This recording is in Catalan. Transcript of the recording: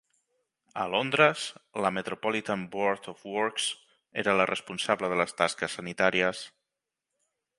A Londres, la Metropolitan Board of Works era la responsable de les tasques sanitàries.